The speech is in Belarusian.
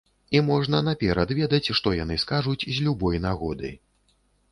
І можна наперад ведаць, што яны скажуць з любой нагоды.